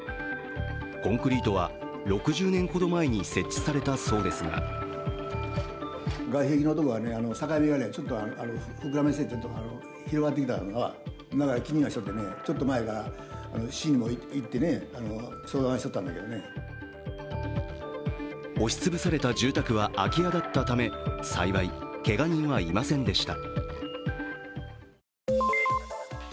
コンクリートは６０年ほど前に設置されたそうですが押し潰された住宅は空き家だったため幸い、けが人はいませんでした。